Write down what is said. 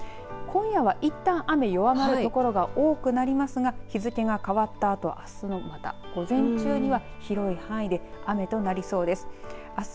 今夜は、いったん雨弱まる所が多くなりますが日付が変わったあとあす午前中には広い範囲で雨となりそうです。